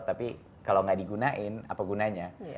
tapi kalau tidak digunakan apa gunanya